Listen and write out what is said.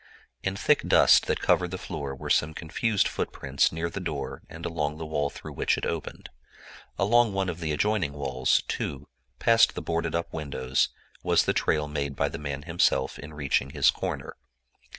In thick dust that covered the floor were some confused footprints near the door and along the wall through which it opened. Along one of the adjoining walls, too, past the boarded up windows was the trail made by the man himself in reaching his corner.